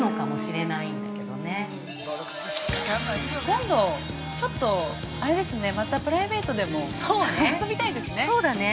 ◆今度ちょっと、あれですね、またプライベートでも遊びたいですね。